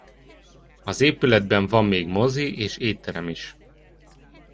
Az épületben van még mozi és étterem is.